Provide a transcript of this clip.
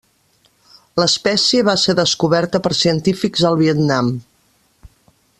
L'espècie va ser descoberta per científics al Vietnam.